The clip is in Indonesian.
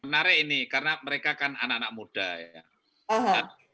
menarik ini karena mereka kan anak anak muda ya